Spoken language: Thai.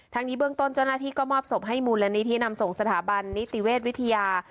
นี้เบื้องต้นเจ้าหน้าที่ก็มอบศพให้มูลนิธินำส่งสถาบันนิติเวชวิทยา